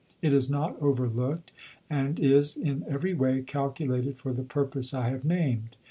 It is not overlooked and is in every way calculated for the purpose I have named.